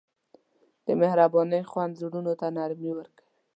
د مهربانۍ خوند زړونو ته نرمي ورکوي.